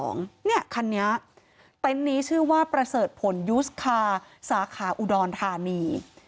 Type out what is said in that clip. คันนี้เต็นต์นี้ชื่อว่าประเสริฐผลยูสคาร์สาขาอุดรธานี